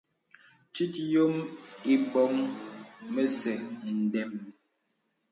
Tit yɔ̄m îbɔ̀ŋ mə̄sɛ̄ ndɛm.